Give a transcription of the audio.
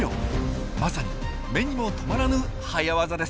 まさに目にも留まらぬ早ワザです。